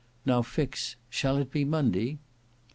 Now fix—shall it be Monday?"